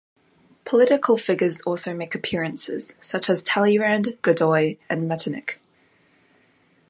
Political figures also make appearances, such as Talleyrand, Godoy, and Metternich.